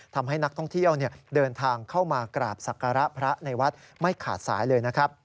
ทำให้นักท่องเที่ยวเดินทางเข้ามากราบศักระพระในวัดไม่ขาดสายเลยนะครับ